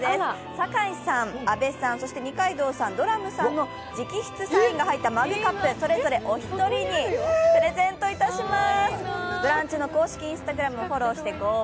堺さん、阿部さん、そして二階堂さん、ドラムさんの直筆サインが入ったマグカップをそれぞれお一人にプレゼントいたします。